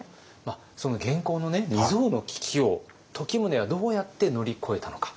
その元寇の未曽有の危機を時宗はどうやって乗り越えたのか。